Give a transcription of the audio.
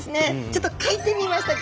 ちょっと描いてみました。